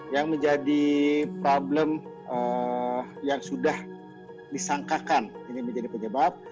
yang menjadi problem yang sudah disangkakan ini menjadi penyebab